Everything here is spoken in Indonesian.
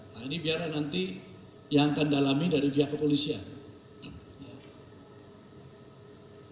nah ini biar nanti yang akan dalami dari pihak kepolisian